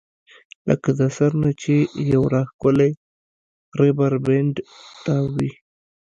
لکه د سر نه چې يو راښکلی ربر بېنډ تاو وي